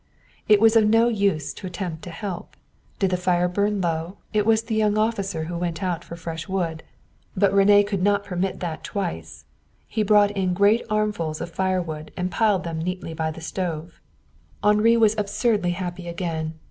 It was of no use to attempt to help. Did the fire burn low, it was the young officer who went out for fresh wood. But René could not permit that twice. He brought in great armfuls of firewood and piled them neatly by the stove. Henri was absurdly happy again.